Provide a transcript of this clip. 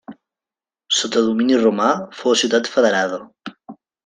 Sota domini romà fou ciutat federada.